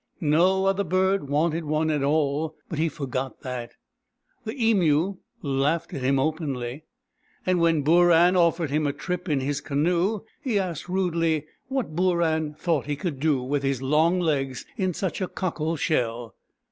No other bird wanted one at all, but he forgot that. The Emu laughed at him openly, and when Booran offered him a trip in his canoe he asked rudely what Booran thought he could do with his long legs in such a cockle shell